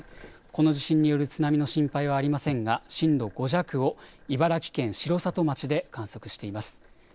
この地震による津波の心配はありませんが震度５弱を茨城県城里町で観測しています。